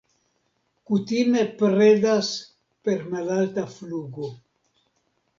Kutime predas per malalta flugo.